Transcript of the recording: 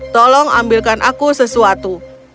tolong ambilkan aku sesuatu